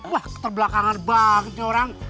wah keterbelakangan banget ini orang